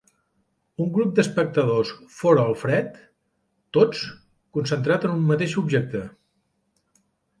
Un grup d'espectadors fora al fred, tots concentrat en un mateix objecte.